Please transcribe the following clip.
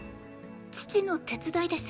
父の手伝いです。